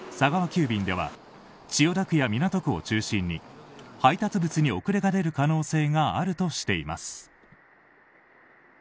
急便では千代田区や港区を中心に配達物に遅れが出る可能性があるとしています。